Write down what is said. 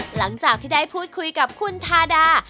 หลังจากที่ได้พูดคุยกับคุณทาดา